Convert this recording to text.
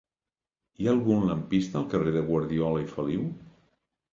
Hi ha algun lampista al carrer de Guardiola i Feliu?